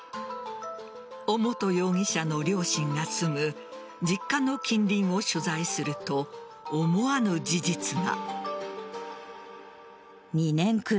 尾本容疑者の両親が住む実家の近隣を取材すると思わぬ事実が。